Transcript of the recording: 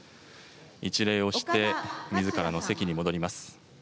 一礼をして、みずからの席に戻ります。